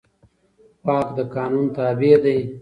واک د قانون تابع دی.